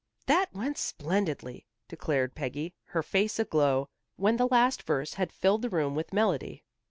"That went splendidly," declared Peggy, her face aglow, when the last verse had filled the room with melody.